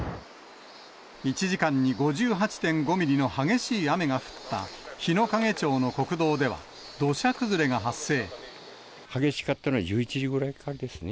１時間に５８．５ミリの激しい雨が降った日之影町の国道では、激しかったのは１１時ぐらいからですね。